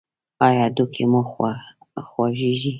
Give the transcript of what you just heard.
ایا هډوکي مو خوږیږي؟